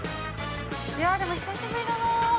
◆いやでも久しぶりだな。